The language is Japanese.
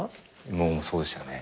もうそうでしたね。